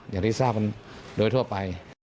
อย่างที่ทราบกันโดยทั่วไป